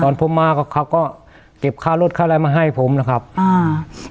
ผมมาก็เขาก็เก็บค่ารถค่าอะไรมาให้ผมนะครับอ่า